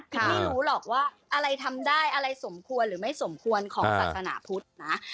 ไม่รู้หรอกว่าอะไรทำได้อะไรสมควรหรือไม่สมควรของศาสนาพุทธนะ